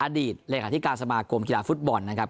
อดีตเลยค่ะที่การสมากรมกีฬาฟุตบอลนะครับ